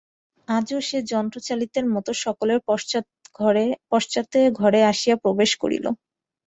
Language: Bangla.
আজও সে যন্ত্রচালিতের মতো সকলের পশ্চাতে ঘরে আসিয়া প্রবেশ করিল।